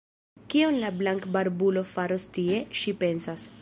Kion la blankbarbulo faros tie? ŝi pensas.